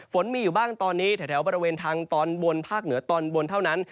ฝนมีอยู่บ้างตอนนี้แถวบริเวณทางตอนบนภาคเหนือตอนบนเท่านั้น